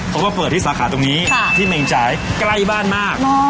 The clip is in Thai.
เขาก็เปิดที่สาขาตรงนี้ที่เมงจ่ายใกล้บ้านมาก